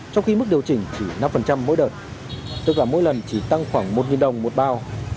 trong khi mức điều chỉnh chỉ năm mỗi đợt tất cả mỗi lần chỉ tăng khoảng một đồng một bao